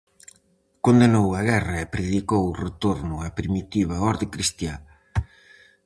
Condenou a guerra e predicou o retorno á primitiva orde cristiá.